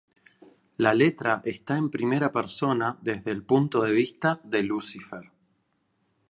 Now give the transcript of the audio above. La letra está en primera persona desde el punto de vista de Lucifer.